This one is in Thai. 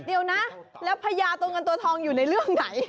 เดี๋ยวนะแล้วพญาตัวเงินตัวทองอยู่ในเรื่องไหน